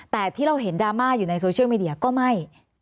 แต่ที่เราเห็นดราม่าอยู่ในโซเชียลมีเดียก็ไม่